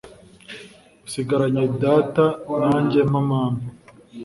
usigaranye data nanjye mpa mama